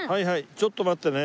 ちょっと待ってね。